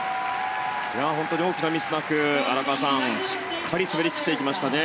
本当に大きなミスなく荒川さん、しっかりと滑っていきましたね。